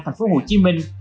thành phố hồ chí minh